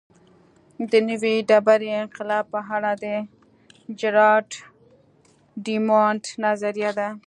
د نوې ډبرې انقلاب په اړه د جراډ ډیامونډ نظریه ده